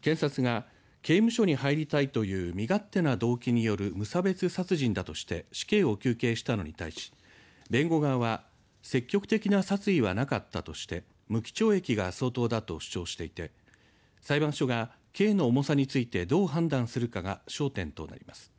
検察が刑務所に入りたいという身勝手な動機による無差別殺人だとして死刑を求刑したのに対し弁護側は積極的な殺意はなかったとして無期懲役が相当だと主張していて裁判所が刑の重さについてどう判断するかが焦点となります。